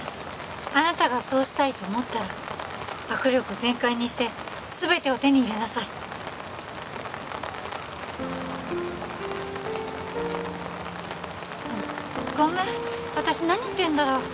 あなたがそうしたいと思ったら握力全開にして全てを手に入れなさいあっごめん私何言ってんだろう